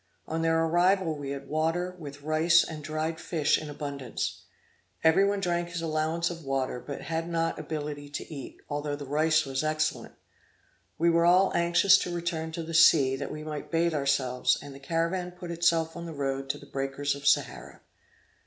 On their arrival we had water, with rice and dried fish in abundance. Every one drank his allowance of water, but had not ability to eat, although the rice was excellent. We were all anxious to return to the sea, that we might bathe ourselves, and the caravan put itself on the road to the breakers of Sahara.